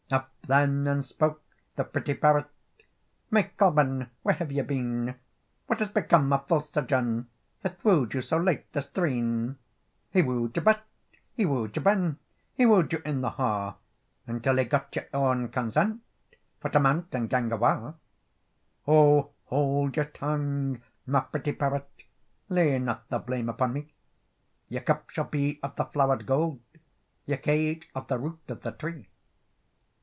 Up then and spoke the pretty parrot: "May Colven, where have you been? What has become of false Sir John, That woo'd you so late the streen? "He woo'd you butt, he woo'd you ben, He woo'd you in the ha, Until he got your own consent For to mount and gang awa." "O hold your tongue, my pretty parrot, Lay not the blame upon me; Your cup shall be of the flowered gold, Your cage of the root of the tree."